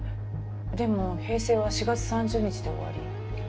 でも平成は４月３０日で終わる。